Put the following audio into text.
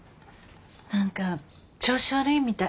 何か調子悪いみたい。